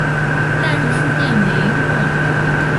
但是书店没货